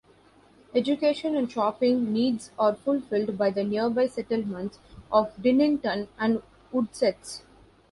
Education and shopping needs are fulfilled by the nearby settlements of Dinnington and Woodsetts.